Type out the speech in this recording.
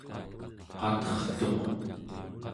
qatertuq